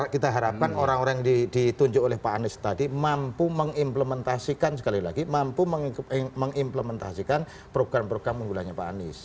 kita harapkan orang orang yang ditunjuk oleh pak anies tadi mampu mengimplementasikan sekali lagi mampu mengimplementasikan program program unggulannya pak anies